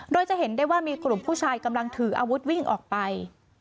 โดยจะเห็นได้ว่ามีกลุ่มผู้ชายกำลังถืออาวุธวิ่งออกไป